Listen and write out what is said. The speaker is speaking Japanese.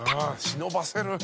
忍ばせる！